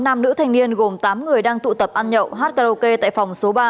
nam nữ thanh niên gồm tám người đang tụ tập ăn nhậu hát karaoke tại phòng số ba